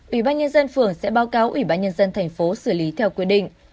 ủy ban nhân dân phường sẽ báo cáo ủy ban nhân dân thành phố xử lý theo quy định